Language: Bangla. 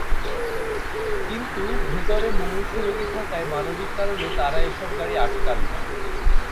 কিন্তু ভেতরে মুমূর্ষু রোগী থাকায় মানবিক কারণে তাঁরা এসব গাড়ি আটকান না।